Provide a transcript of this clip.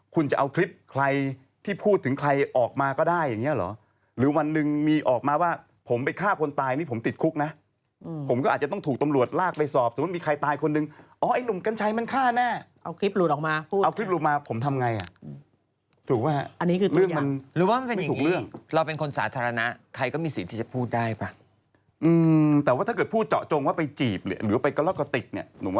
คุณจะเอาคลิปใครที่พูดถึงใครออกมาก็ได้อย่างเงี้ยเหรอหรือวันหนึ่งมีออกมาว่าผมไปฆ่าคนตายนี่ผมติดคุกนะอืมผมก็อาจจะต้องถูกตำรวจลากไปสอบสมมุติมีใครตายคนนึงอ๋อไอ้หนุ่มกัญชัยมันฆ่าแน่เอาคลิปหลุดออกมาพูดเอาคลิปหลุดมาผมทำไงอ่ะถูกไหมฮะอันนี้คือตัวอย่างเรื่องมันไม่ถูกเรื่อง